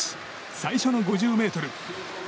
最初の５０ｍ。